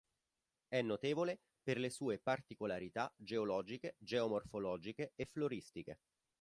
È notevole per le sue particolarità geologiche, geomorfologiche e floristiche.